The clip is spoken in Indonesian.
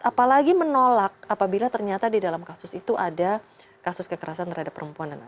apalagi menolak apabila ternyata di dalam kasus itu ada kasus kekerasan terhadap perempuan